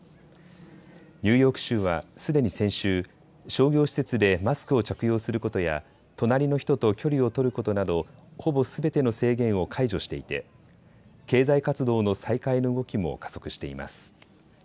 ニューヨーク州はすでに先週、商業施設でマスクを着用することや隣の人と距離を取ることなどほぼすべての制限を解除していて経済活動の再開の動きも加速しています。